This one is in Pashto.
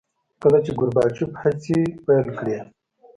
کله چې ګورباچوف هڅې پیل کړې.